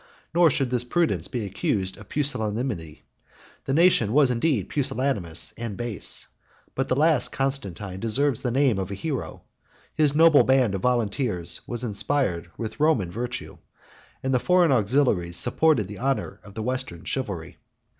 Nor should this prudence be accused of pusillanimity. The nation was indeed pusillanimous and base; but the last Constantine deserves the name of a hero: his noble band of volunteers was inspired with Roman virtue; and the foreign auxiliaries supported the honor of the Western chivalry.